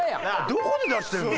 どこで出してるの？